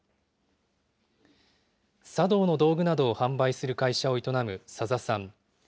茶道の道具などを販売する会社を営む左座さん。